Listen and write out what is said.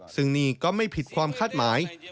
ซึ่งนี่ก็ไม่ผิดความคาดหมาย